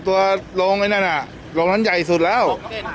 ตัวลงไอ้นั่นอ่ะลงอันใหญ่สุดแล้ว